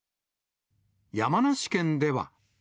山梨県では。